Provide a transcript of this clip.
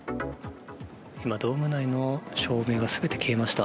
今、ドーム内の照明が全て消えました。